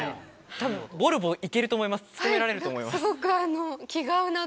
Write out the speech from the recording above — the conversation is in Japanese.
多分ボルボ行けると思います勤められると思います。